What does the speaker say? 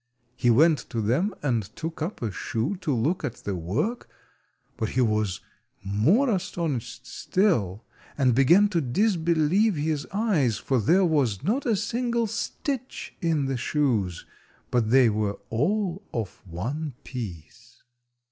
He went to them and took up a shoe to look at the work, but he was more astonished still, and began to disbelieve his eyes, for there was not a single stitch in the shoes, but they were all of one piece.